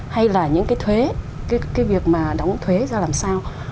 hay là những cái thuế cái việc mà đóng thuế ra làm sao